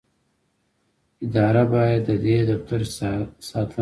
اداره باید د دې دفتر ساتنه وکړي.